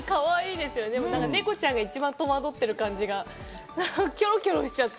でもネコちゃんが一番戸惑ってる感じがして。